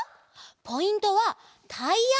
ポイントはタイヤ！